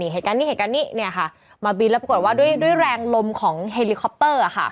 เหตุการณ์นี้เหตุการณ์นี้มาบินแล้วปรากฏว่าด้วยแรงลมของเฮลิคอปเตอร์